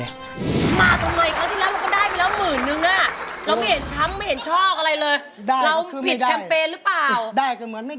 มาทำไมครั้งที่แล้วเราก็ได้กี่ล้าหมื่นนึง